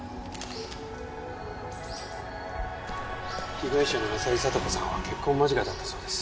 被害者の浅井聡子さんは結婚間近だったそうです。